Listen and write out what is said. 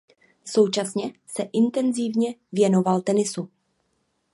Současně se intenzívně věnoval tenisu.